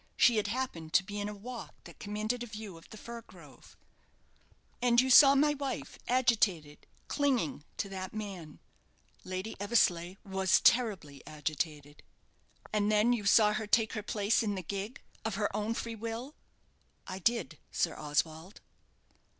She had happened to be in a walk that commanded a view of the fir grove. "And you saw my wife agitated, clinging to that man?" "Lady Eversleigh was terribly agitated." "And then you saw her take her place in the gig, of her own free will?" "I did, Sir Oswald."